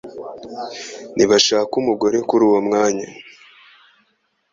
Ntibashaka umugore kuri uwo mwanya.